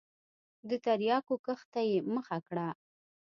د تریاکو کښت ته یې مخه کړه.